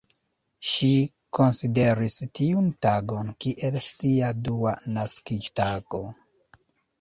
Ŝi konsideris tiun tagon kiel sia dua naskiĝtago.